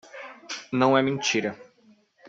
Não é mentira.